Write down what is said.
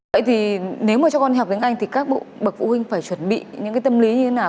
vậy thì nếu mà cho con học tiếng anh thì các bộ phụ huynh phải chuẩn bị những cái tâm lý như thế nào